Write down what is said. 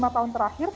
lima tahun terakhir